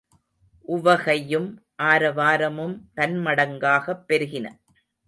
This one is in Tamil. உவகையும் ஆரவாரமும் பன்மடங்காகப் பெருகின.